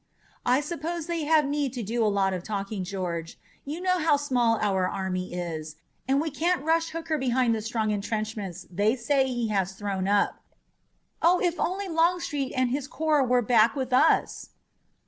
"I suppose they have need to do a lot of talking, George. You know how small our army is, and we can't rush Hooker behind the strong intrenchments they say he has thrown up. Oh, if only Longstreet and his corps were back with us!"